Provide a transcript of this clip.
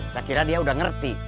saya kira dia udah ngerti